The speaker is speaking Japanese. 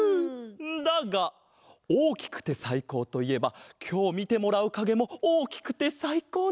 だがおおきくてさいこうといえばきょうみてもらうかげもおおきくてさいこうなんだ！